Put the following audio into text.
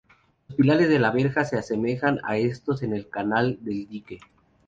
Los pilares de la verja se asemejan a estos en el canal del dique.